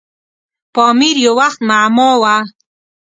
پامیر یو وخت معما وه.